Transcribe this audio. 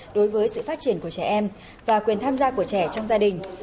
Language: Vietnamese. đối với sự phát triển của trẻ em và quyền tham gia của trẻ trong gia đình